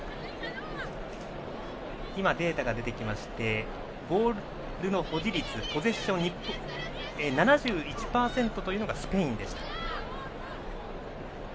データが出てきましてボールの保持率、ポゼッション７１％というのがスペインでした。